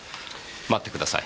待ってください。